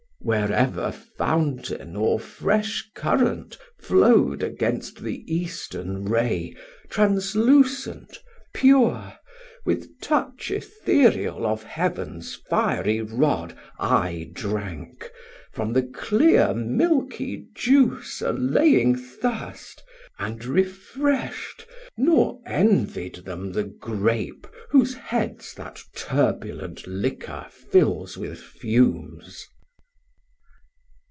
Where ever fountain or fresh current flow'd Against the Eastern ray, translucent, pure, With touch aetherial of Heav'ns fiery rod I drank, from the clear milkie juice allaying 550 Thirst, and refresht; nor envy'd them the grape Whose heads that turbulent liquor fills with fumes.